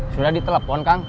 sudah ditelepon kang